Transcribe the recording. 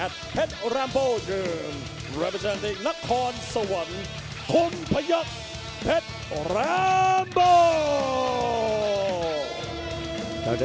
ทุกคนทุกคน